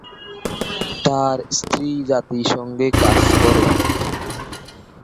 তার স্ত্রী জাতিসংঘে কাজ করেন।